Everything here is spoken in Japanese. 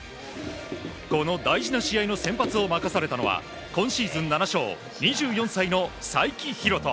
この大事な試合の先発を任されたのは今シーズン７勝２４歳の才木浩人。